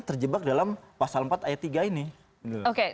terjebak dalam pasal empat ayat tiga ini